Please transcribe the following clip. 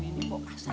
ini bukannya masakan